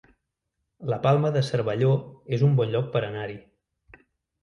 La Palma de Cervelló es un bon lloc per anar-hi